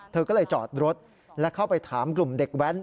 เธอก็เลยจอดรถและเข้าไปถามกลุ่มเด็กแว้น